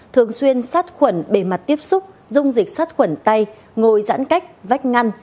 thường xuyên sát khuẩn bề mặt tiếp xúc dung dịch sát khuẩn tay ngồi giãn cách vách ngăn